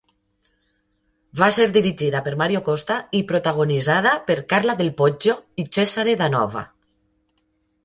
Va ser dirigida per Mario Costa i protagonitzada per Carla Del Poggio i Cesare Danova.